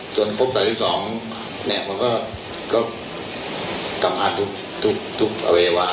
จนครบต่อที่สองเนี่ยมันก็กลับผ่านทุกอเววะครับ